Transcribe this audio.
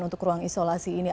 untuk ruang isolasi ini